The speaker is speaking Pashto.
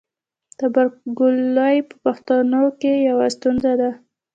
تربورګلوي په پښتنو کې یوه ستونزه ده.